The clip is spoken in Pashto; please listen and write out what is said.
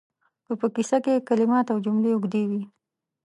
که په کیسه کې کلمات او جملې اوږدې وي